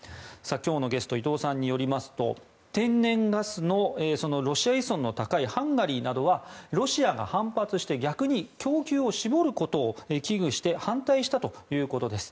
今日のゲスト伊藤さんによりますと天然ガスのロシア依存の高いハンガリーなどはロシアが反発して逆に供給を絞ることを危惧して反対したということです。